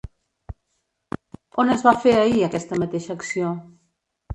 On es va fer ahir aquesta mateixa acció?